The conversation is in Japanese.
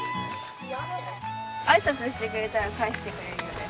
あいさつしてくれたら返してくれるよね。